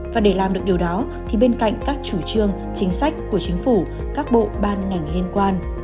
và để làm được điều đó thì bên cạnh các chủ trương chính sách của chính phủ các bộ ban ngành liên quan